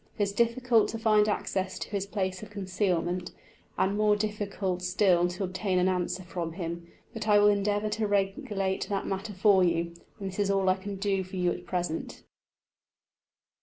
It is difficult to find access to his place of concealment, and more difficult still to obtain an answer from him; but I will endeavour to regulate that matter for you; and that is all I can do for you at present."